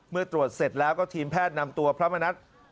เมื่อตรวจเสร็จแล้วก็ทีมแพทย์นำตัวพระมณัฐ